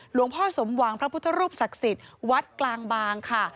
หลวงพ่อสมหวังพระพุทธรูปศักดิ์สิทธิ์วัดกลางบางค่ะ